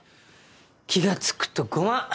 気が付くと５万。